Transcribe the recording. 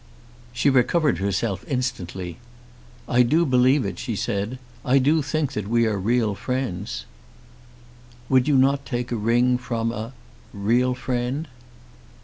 She recovered herself instantly. "I do believe it," she said. "I do think that we are real friends." "Would you not take a ring from a real friend?"